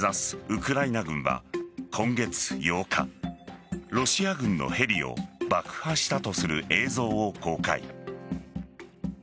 ウクライナ軍は今月８日ロシア軍のヘリを爆破したとする映像を公開。